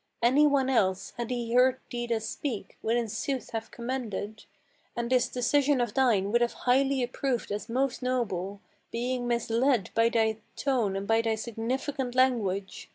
Any one else, had he heard thee thus speak, would in sooth have commended, And this decision of thine would have highly approved as most noble, Being misled by thy tone and by thy significant language.